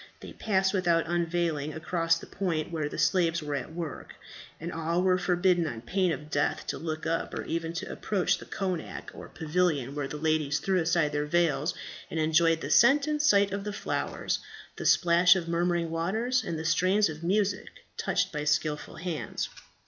They passed without unveiling across the point where the slaves were at work, and all were forbidden on pain of death to look up, or even to approach the konak or pavilion, where the ladies threw aside their veils, and enjoyed the scent and sight of the flowers, the splash of murmuring waters, and the strains of music touched by skilful hands.